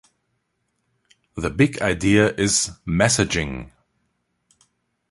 The big idea is "messaging".